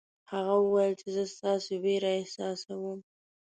هغه وویل چې زه ستاسې وېره احساسوم.